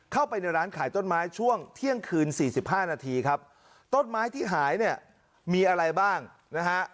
เข้าไปในร้านขายต้นไม้ช่วงเที่ยงคืน๔๕นาทีครับต้นไม้ที่หายเนี่ยมีอะไรบ้างนะฮะ